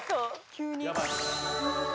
急に？